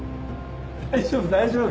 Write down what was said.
大丈夫大丈夫。